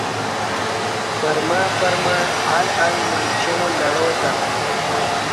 پرمع پرمع آل آل منچاں لڑاتت